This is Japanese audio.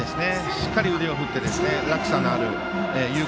しっかり腕を振っていて落差のある。